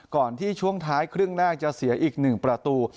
ก่อนที่ช่วงท้ายครึ่งแรกจะเสียอีก๑ประตู